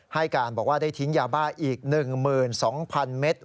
ให้การบอกว่าได้ทิ้งยาบ้าอีก๑๒๐๐๐เมตร